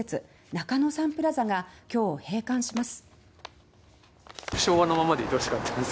中野サンプラザが今日閉館します。